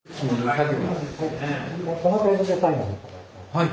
はい。